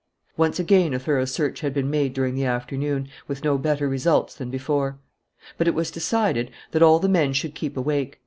Once again a thorough search had been made during the afternoon, with no better results than before. But it was decided that all the men should keep awake.